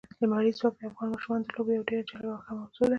لمریز ځواک د افغان ماشومانو د لوبو یوه ډېره جالبه او ښه موضوع ده.